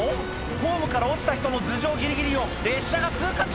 ホームから落ちた人の頭上ギリギリを列車が通過中！